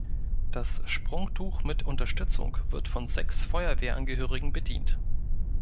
Das Sprungtuch mit Unterstützung wird von sechs Feuerwehrangehörigen bedient.